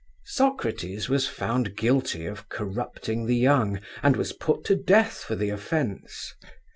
Socrates was found guilty of corrupting the young and was put to death for the offence.